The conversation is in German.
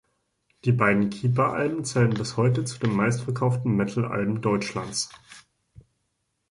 Die beiden "Keeper"-Alben zählen bis heute zu den meistverkauften Metal-Alben Deutschlands.